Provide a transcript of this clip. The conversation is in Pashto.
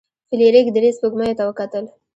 فلیریک درې سپوږمیو ته وکتل.